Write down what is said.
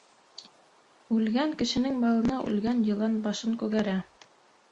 Үлгән кешенең малына үлгән йылан башын күгәрә.